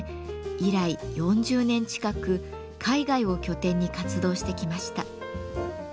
以来４０年近く海外を拠点に活動してきました。